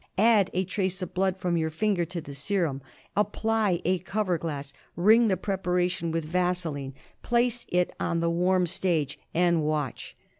Add a trace of blood from your finger to the serum. Apply a cover glass ; ring the pre paration with vaseline ; place it on the warm stage, and watch.